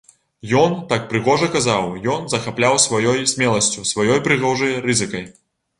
Ён так прыгожа казаў, ён захапляў сваёй смеласцю, сваёй прыгожай рызыкай.